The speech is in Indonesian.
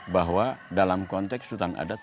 bahwa dalam konteks hutan adat